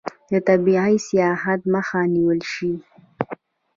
د طبي سیاحت مخه نیول شوې؟